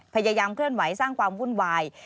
พยายามเคลื่อนไหวสร้างความวุ่นวาย